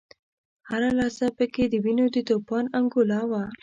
هره لحظه په کې د وینو د توپان انګولا وه.